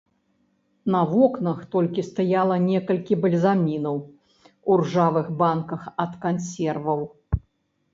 На вокнах толькі стаяла некалькі бальзамінаў у ржавых банках ад кансерваў.